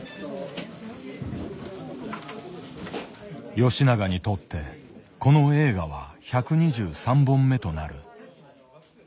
吉永にとってこの映画は１２３本目となる。